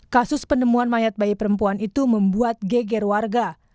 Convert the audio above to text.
kasus penemuan mayat bayi perempuan itu membuat geger warga